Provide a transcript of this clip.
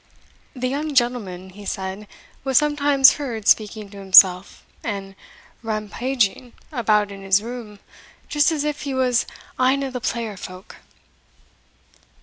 "The young gentleman," he said, "was sometimes heard speaking to himsell, and rampauging about in his room, just as if he was ane o' the player folk."